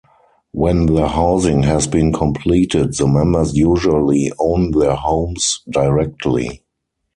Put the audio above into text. When the housing has been completed the members usually own their homes directly.